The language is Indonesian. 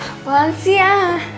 apaan sih ah